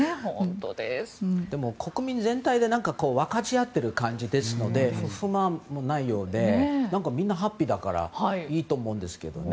国民全体で分かち合っている感じなので不満もないようでみんなハッピーだからいいと思うんですけどね。